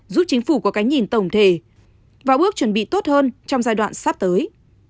giúp chính phủ có cái nhìn tổng thể và bước chuẩn bị tốt hơn trong giai đoạn sắp tới